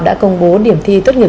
đã công bố điểm thi tuất nghiệp